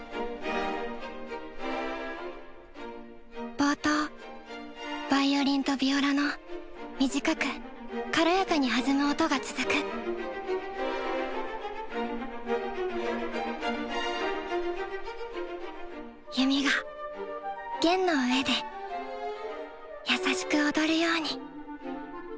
冒頭ヴァイオリンとヴィオラの短く軽やかに弾む音が続く弓が弦の上で優しく踊るように。